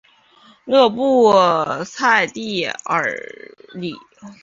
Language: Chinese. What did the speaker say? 勒布莱蒂耶尔里。